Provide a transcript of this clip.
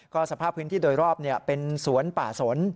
ก็สภาพพื้นที่โดยรอบเป็นสวนป่าสน